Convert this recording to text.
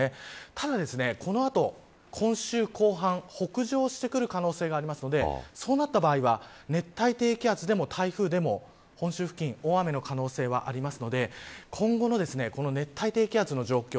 ただ、この後、今週後半北上してくる可能性があるのでそうなった場合は熱帯低気圧でも台風でも本州付近大雨の可能性はあるので今後の熱帯低気圧の状況